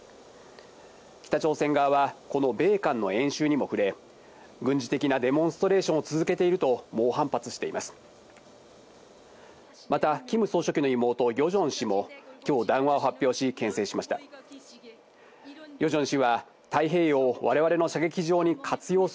北朝鮮側はこの米韓の練習にも触れ、軍事的なデモンストレーションを続けていると猛反発しています。